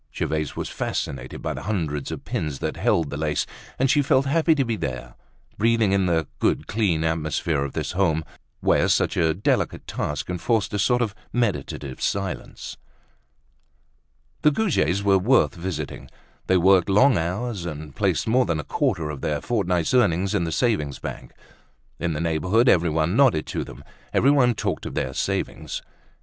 Gervaise was fascinated by the hundreds of pins that held the lace, and she felt happy to be there, breathing in the good clean atmosphere of this home where such a delicate task enforced a sort of meditative silence. The Goujets were worth visiting. They worked long hours, and placed more than a quarter of their fortnight's earnings in the savings bank. In the neighborhood everyone nodded to them, everyone talked of their savings.